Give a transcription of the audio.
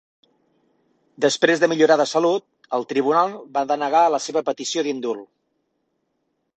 Després de millorar de salut, el tribunal va denegar la seva petició d'indult.